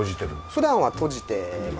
普段は閉じてます。